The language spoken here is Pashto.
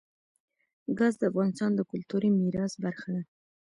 ګاز د افغانستان د کلتوري میراث برخه ده.